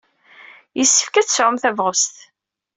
Yessefk ad tesɛum tabɣest.